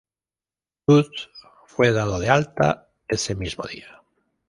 Woods fue dado de alta ese mismo día.